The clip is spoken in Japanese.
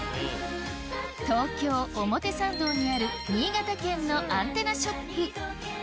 東京・表参道にある新潟県のアンテナショップ